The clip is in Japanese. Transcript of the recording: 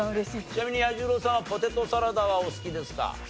ちなみに彌十郎さんはポテトサラダはお好きですか？